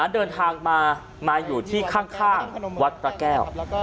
เดินทางมามาอยู่ที่ข้างวัดพระแก้ว